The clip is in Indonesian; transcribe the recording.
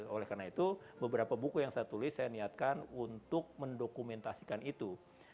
oleh karena itu beberapa buku yang saya tulis saya niatkan untuk mendokumentasikan itu